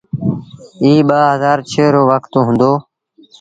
ايٚ ٻآ هزآر ڇه رو وکت هُݩدو۔